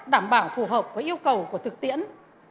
đảm bảo phù hợp với yêu cầu của thực tiễn